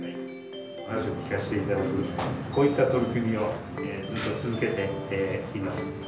話を聞かせていただく、こういった取り組みをずっと続けています。